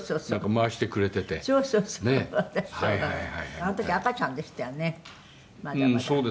「あの時赤ちゃんでしたよねまだまだ」